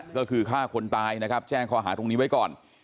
ก็คือฆ่าคนตายนะครับแจ้งข้อหาตรงนี้ไว้ก่อน